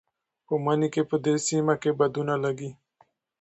په مني کې په دې سیمه کې بادونه لګېږي.